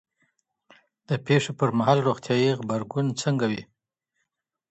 د پیښو پر مهال روغتیایي غبرګون څنګه وي؟